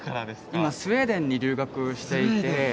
今スウェーデンに留学していて。